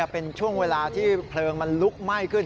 เป็นช่วงเวลาที่เพลิงมันลุกไหม้ขึ้น